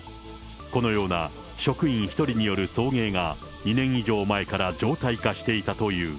このような職員１人による送迎が、２年以上前から常態化していたという。